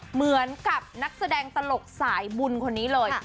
เหมือนกับนักแสดงตลกสายบุญคนนี้เลย